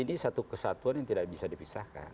ini satu kesatuan yang tidak bisa dipisahkan